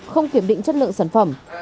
không kiểm định chất lượng sản phẩm